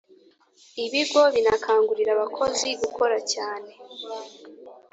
ibigo binakangurira abakozi gukora cyane